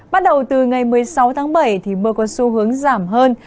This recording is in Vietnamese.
bắt đầu từ ngày một mươi sáu tháng bảy thì mưa có xu hướng giảm hơn